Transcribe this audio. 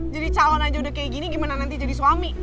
calon aja udah kayak gini gimana nanti jadi suami